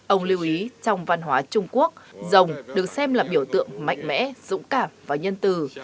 ông lưu ý trong văn hóa trung quốc rồng được xem là biểu tượng mạnh mẽ dũng cảm và nhân từ